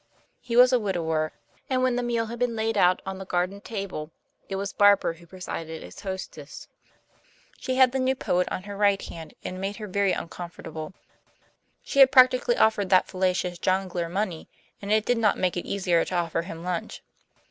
He was a widower, and when the meal had been laid out on the garden table, it was Barbara who presided as hostess. She had the new poet on her right hand and it made her very uncomfortable. She had practically offered that fallacious jongleur money, and it did not make it easier to offer him lunch.